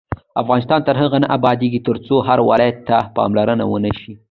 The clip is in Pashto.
افغانستان تر هغو نه ابادیږي، ترڅو هر ولایت ته پاملرنه ونشي.